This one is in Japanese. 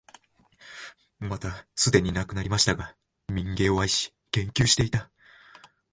またすでに亡くなりましたが、民藝を愛し、研究していた、